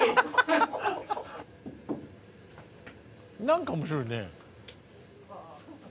何か面白いね。